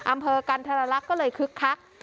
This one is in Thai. อำเภอกันธรรลักษณ์ก็เลยคึกคัก